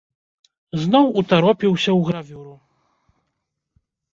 Зноў утаропіўся ў гравюру.